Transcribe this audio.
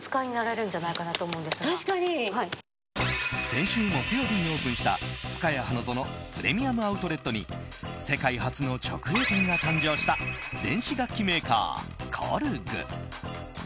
先週木曜日にオープンしたふかや花園プレミアム・アウトレットに世界初の直営店が誕生した電子楽器メーカー、コルグ。